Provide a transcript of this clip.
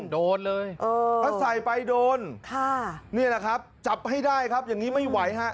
โดนเลยเออค่ะนี่แหละครับจับให้ได้ครับอย่างนี้ไม่ไหวฮะ